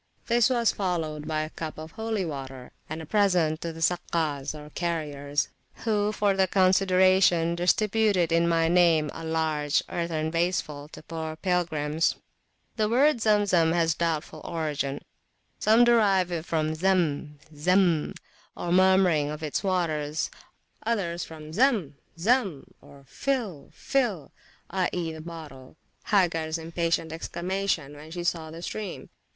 This was followed by a cup of holy water and a present to the Sakkas, or carriers, who for the consideration distributed, in my name, a large earthen vaseful to poor pilgrims. The word Zemzem has a doubtful origin. Some derive it from the Zam Zam, or murmuring of its waters, others from Zam! Zam! (fill! fill! i.e. the bottle), Hagars impatient exclamation when she saw the stream.